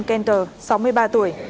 kenter sáu mươi ba tuổi